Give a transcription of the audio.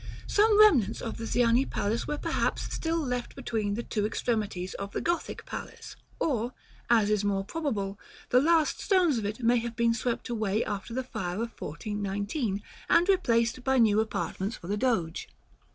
Some remnants of the Ziani Palace were perhaps still left between the two extremities of the Gothic Palace; or, as is more probable, the last stones of it may have been swept away after the fire of 1419, and replaced by new apartments for the Doge.